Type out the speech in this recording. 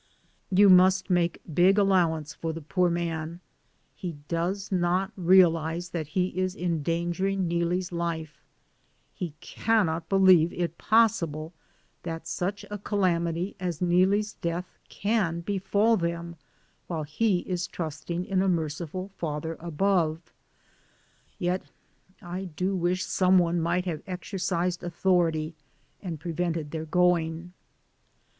You must make big allowance for the poor man. He does not realize that he is endan gering Neelie's life; he cannot believe it pos sible that such a calamity as Neelie's death can befall them while he is trusting in a mer ciful Father above. Yet I do wish someone might have exercised authority and pre vented their going.